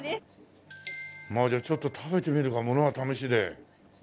まあじゃあちょっと食べてみるかものは試しで。